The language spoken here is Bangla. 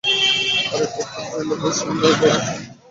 আরেক পক্ষের মত, পয়লা বৈশাখ নয়, বরং চৈত্রসংক্রান্তিই আমাদের আসল ঐতিহ্য।